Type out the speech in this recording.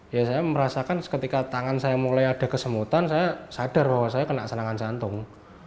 ya saya merasakan ketika tangan saya mulai ada kesemutan saya sadar bahwa saya kena serangan jantung